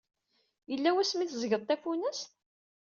Yella wasmi i teẓẓgeḍ tafunast?